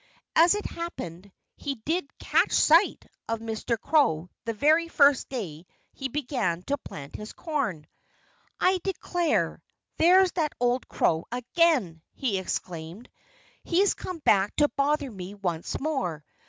As it happened, he did catch sight of Mr. Crow the very first day he began to plant his corn. "I declare there's that old crow again!" he exclaimed. "He's come back to bother me once more.